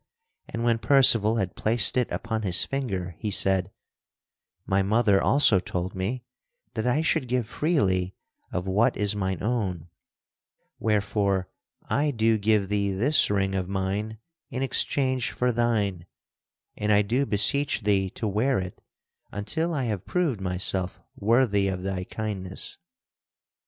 And when Percival had placed it upon his finger he said: "My mother also told me that I should give freely of what is mine own, wherefore I do give thee this ring of mine in exchange for thine, and I do beseech thee to wear it until I have proved myself worthy of thy kindness.